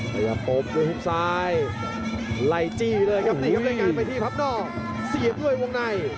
พยายามปบด้วยหุ้มซ้ายไล่จี้เลยครับด้วยกันไปที่พับนอกเสียด้วยวงใน